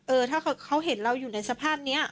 ถ้าเขาเห็นเราอยู่ในสภาพนี้